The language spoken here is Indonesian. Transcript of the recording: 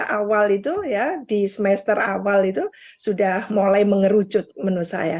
dua ribu dua puluh tiga awal itu ya di semester awal itu sudah mulai mengerucut menurut saya